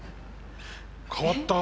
変わった！